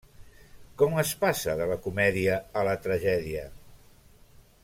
Com es passa de la comèdia a la tragèdia?